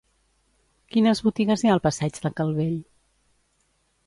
Quines botigues hi ha al passeig de Calvell?